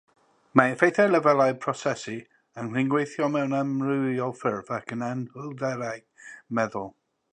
Mae effeithiau lefelau prosesu yn rhyngweithio mewn amrywiol ffyrdd ag anhwylderau meddwl.